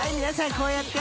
こうやって］